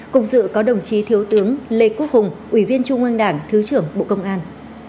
cùng dự có đồng chí thiếu tướng lê quốc hùng ủy viên trung ương đảng thứ trưởng bộ công an